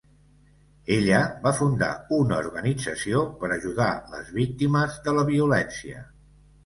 Ella va fundar una organització per ajudar les víctimes de la violència.